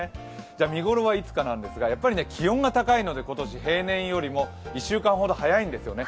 見ごろはいつかなんですけど、やっぱり気温が高いので、今年平年よりも１週間ほど早いんですよね。